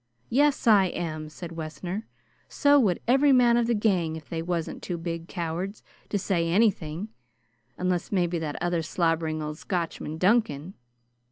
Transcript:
"Yes, I am," said Wessner. "So would every man of the gang if they wasn't too big cowards to say anything, unless maybe that other slobbering old Scotchman, Duncan.